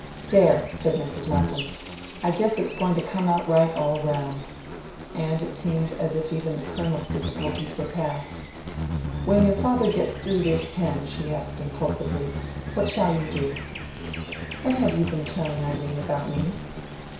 "There!" said Mrs. Lapham. "I guess it's going to come out right, all round;" and it seemed as if even the Colonel's difficulties were past. "When your father gets through this, Pen," she asked impulsively, "what shall you do?" "What have you been telling Irene about me?"